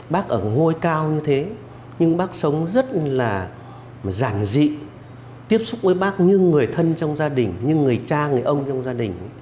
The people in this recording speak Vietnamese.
bác ở ngôi cao như thế nhưng bác sống rất là giản dị tiếp xúc với bác như người thân trong gia đình như người cha người ông trong gia đình